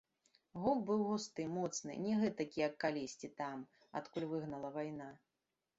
Гук быў густы, моцны, не гэтакі, як калісьці там, адкуль выгнала вайна.